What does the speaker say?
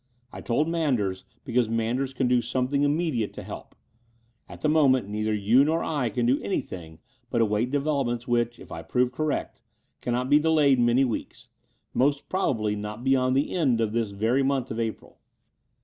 I told Manders because Manders can do something immediate to help. At the moment neither you nor I can do anything but await developments which, if I prove correct, cannot be delayed many weeks — most probably not beyond the end of this very month of April.